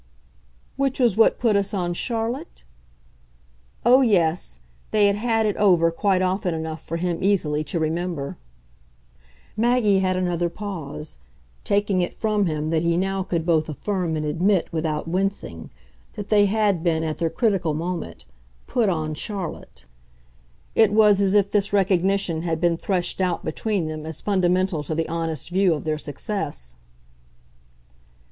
"Which was what put us on Charlotte?" Oh yes, they had had it over quite often enough for him easily to remember. Maggie had another pause taking it from him that he now could both affirm and admit without wincing that they had been, at their critical moment, "put on" Charlotte. It was as if this recognition had been threshed out between them as fundamental to the honest view of their success.